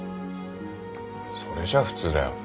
それじゃ普通だよ。